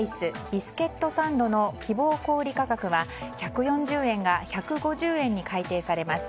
ビスケットサンドの希望小売価格が１４０円が１５０円に改定されます。